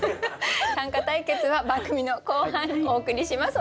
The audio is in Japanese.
短歌対決は番組の後半お送りします。